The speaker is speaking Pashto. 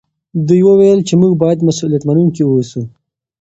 دوی وویل چې موږ باید مسوولیت منونکي اوسو.